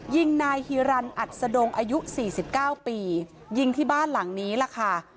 ยิงนายฮิรันทร์อัดสะดงอายุสี่สิบเก้าปียิงที่บ้านหลังนี้แหละค่ะ